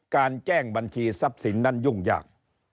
การแจ้งบัญชีทรัพย์สินนั้นยุ่งยาก